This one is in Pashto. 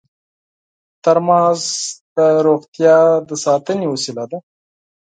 ترموز د روغتیا د ساتنې وسیله ده.